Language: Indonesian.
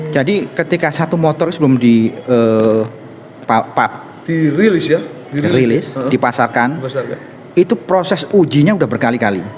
jadi ketika satu motor sebelum dirilis dipasarkan itu proses ujinya udah berkali kali